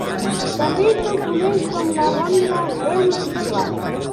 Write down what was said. També s'el coneix com la rambla Lewis i Clark.